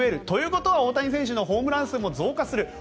ということは大谷選手のホームラン数も増加する。